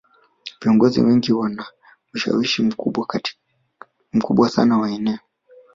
viongozi wengi wana ushawishi mkubwa sana wa maneno